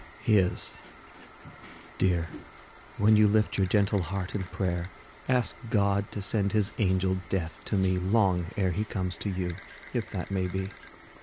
HIS. Dear, when you lift your gentle heart in prayer, Ask God to send His angel Death to me Long ere He comes to you, if that may be.